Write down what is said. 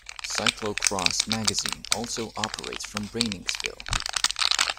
Cyclocross Magazine also operates from Breinigsville.